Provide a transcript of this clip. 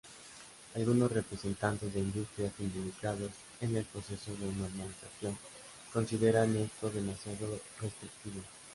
Algunos representantes de industrias involucrados en el proceso de normalización consideran esto demasiado restrictivo.